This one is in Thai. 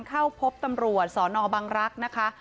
เข้าพบตำรวจสนบังรักษ์นะคะ